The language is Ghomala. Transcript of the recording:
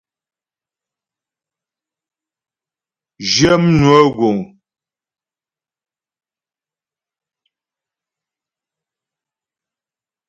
Zhyə mnwə guŋ.